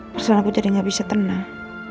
pasal aku jadi nggak bisa tenang